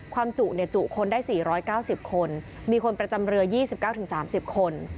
ความจุจุคนได้๔๙๐คนมีคนประจำเรือ๒๙๓๐คน